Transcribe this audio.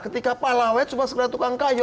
ketika palawet cuma sekedar tukang kayu